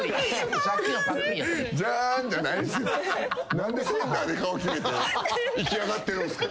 何でセンターで顔決めて息上がってるんすか。